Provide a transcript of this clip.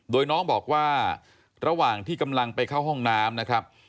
โดยน้องบอกว่าระหว่างที่กำลังไปเข้าห้องน้ำนะครับ